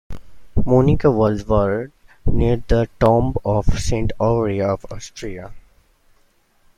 Monica was buried near the tomb of Saint Aurea of Ostia.